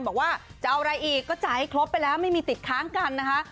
บอกว่าจะเอาอะไรอีกก็จ่ายให้ครบไปแล้วไม่มีติดค้างกันนะคะ